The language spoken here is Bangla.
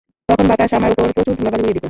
তখন বাতাস আমার উপর প্রচুর ধূলিবালি উড়িয়ে দিত।